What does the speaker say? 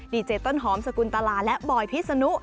ดีเจต้นหอมสกุลตลาและบอยพิษนุ